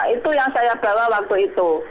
itu yang saya bawa waktu itu